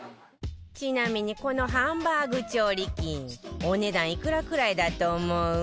ちなみにこのハンバーグ調理器お値段いくらくらいだと思う？